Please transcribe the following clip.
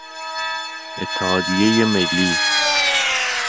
اتحادیه ملی